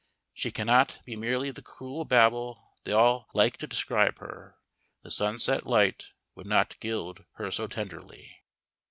She cannot be merely the cruel Babel they like to describe her: the sunset light would not gild her so tenderly.